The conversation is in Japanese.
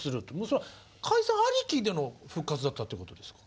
それは解散ありきでの復活だったってことですか？